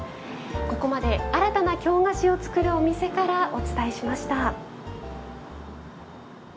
ここまで新たな京菓子を作るお店からお伝えしました。